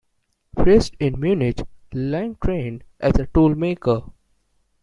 Raised in Munich, Lang trained as a toolmaker.